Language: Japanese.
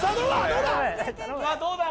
どうだ？